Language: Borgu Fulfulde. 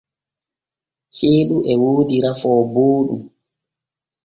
Ceeɗu e woodi rafoo booɗɗum.